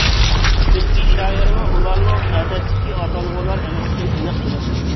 چۈنكى، شائىرمۇ ئۇلارنىڭ ئادەتتىكى ئاتالغۇلار ئەمەسلىكىنى ئېنىق بىلىدۇ.